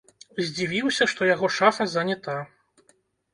Здзівіўся, што яго шафа занята.